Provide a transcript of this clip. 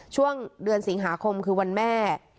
ช่วงเดือนสิงหาคมคือวันแม่